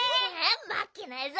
まけないぞ！